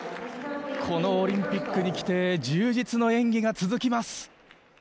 このオリンピックに来て充実の演技が続きます。